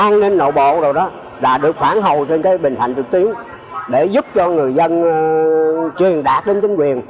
an ninh nội bộ là được khoảng hầu trên bình thạnh trực tiếp để giúp cho người dân truyền đạt đến chính quyền